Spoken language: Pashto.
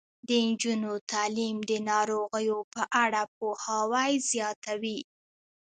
د نجونو تعلیم د ناروغیو په اړه پوهاوی زیاتوي.